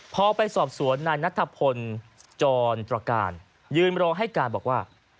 พอไปสอบสวนนายนัทพลจรตรการยืนรอให้การบอกว่า